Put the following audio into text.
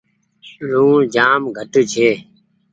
لوڻ جآم گھٽ ڇي۔